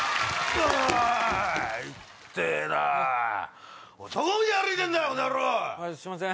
すいません。